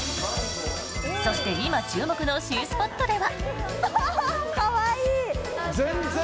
そして、今注目の新スポットでは。